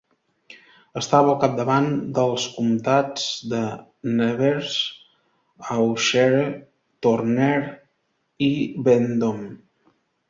Estava al capdavant dels comtats de Nevers, Auxerre, Tonnerre, i Vendôme.